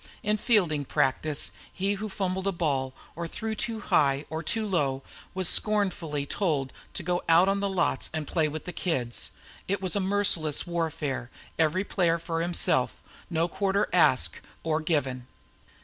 In fielding practice he who fumbled a ball or threw too high or too low was scornfully told to go out on the lots and play with the kids. It was a merciless warfare, every player for himself, no quarter asked or given!